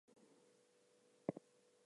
He did not know what they did with it.